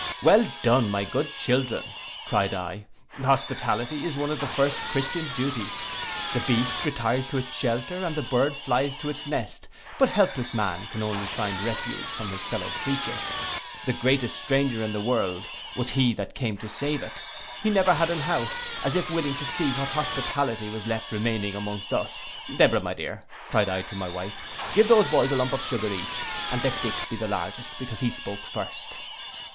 '—'Well done, my good children,' cried I, 'hospitality is one of the first Christian duties. The beast retires to its shelter, and the bird flies to its nest; but helpless man can only find refuge from his fellow creature. The greatest stranger in this world, was he that came to save it. He never had an house, as if willing to see what hospitality was left remaining amongst us. Deborah, my dear,' cried I, to my wife, 'give those boys a lump of sugar each, and let Dick's be the largest, because he spoke first.